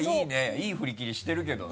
いい振り切りしてるけどね。